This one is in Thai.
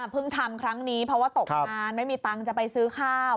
ทำครั้งนี้เพราะว่าตกงานไม่มีตังค์จะไปซื้อข้าว